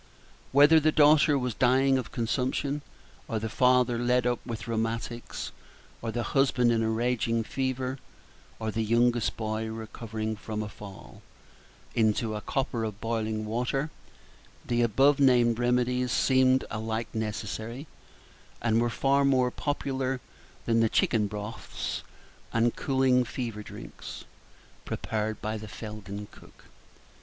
Whether the daughter was dying of consumption, or the father laid up with the rheumatics, or the husband in a raging fever, or the youngest boy recovering from a fall Page 35 into a copper of boiling water, the above named remedies seemed alike necessary, and were far more popular than the chicken broths and cooling fever drinks, prepared by the Felden cook.